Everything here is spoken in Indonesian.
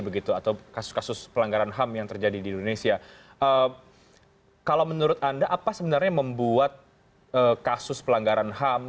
bagaimana menurut anda apa yang membuat kasus pelanggaran ham